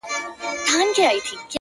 او قریب دي د رقیب د کور سړی سي.!